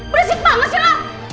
beresik banget sih lo